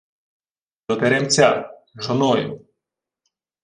— До теремця. Жоною.